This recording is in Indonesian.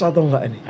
atau enggak ini